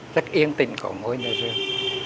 rất yên tĩnh của ngõi nhà giường